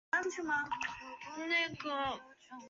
采白莲教支派。